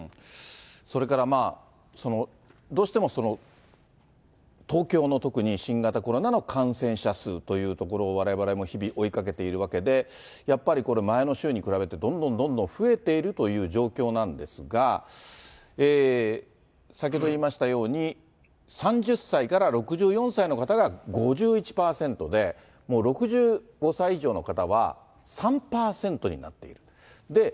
それから、どうしても東京の特に新型コロナの感染者数というところをわれわれも日々、追いかけているわけで、やっぱり、前の週に比べて、どんどんどんどん増えているという状況なんですが、先ほど言いましたように、３０歳から６４歳の方が５１％で、もう６５歳以上の方は３％になっていると。